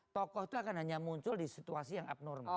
tokoh itu akan hanya muncul di situasi yang abnormal